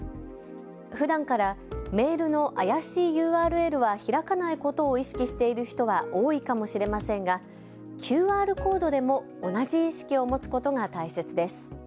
ふだんからメールの怪しいＵＲＬは開かないことを意識している人は多いかもしれませんがＱＲコードでも同じ意識を持つことが大切です。